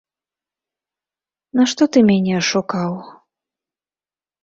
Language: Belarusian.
Нашто ты мяне ашукаў?